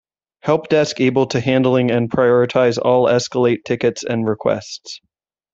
Help Desk able to handling and prioritize all escalate tickets and requests.